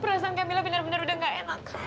perasaan kak mila benar benar sudah tidak enak